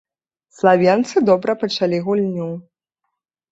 Славенцы добра пачалі гульню.